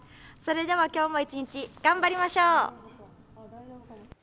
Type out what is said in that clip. それでは今日も一日、頑張りましょう！